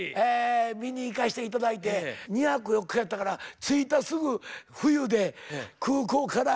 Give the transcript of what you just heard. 見に行かして頂いて２泊４日やったから着いたすぐ冬で空港から。